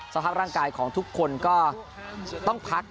สภาพร่างกายของทุกคนก็ต้องพัก